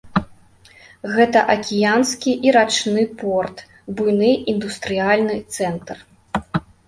Гэта акіянскі і рачны порт, буйны індустрыяльны цэнтр.